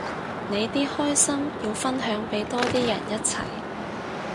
你啲開心要分享俾多啲人一齊